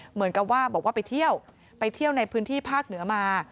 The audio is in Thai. เหมือนกับว่าบอกว่าไปเที่ยวไปเที่ยวในพื้นที่ภาคเหนือมา